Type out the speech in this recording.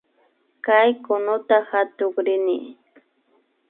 Kay kunuta katukrini